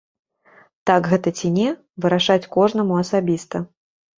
Так гэта ці не, вырашаць кожнаму асабіста.